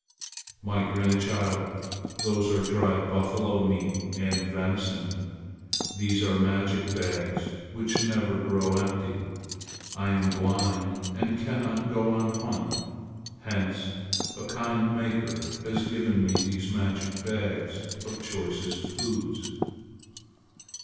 "My grandchild, those are dried buffalo meat and venison. These are magic bags which never grow empty. I am blind and cannot go on a hunt. Hence a kind Maker has given me these magic bags of choicest foods."